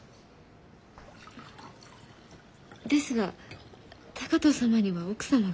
ですが高藤様には奥様が。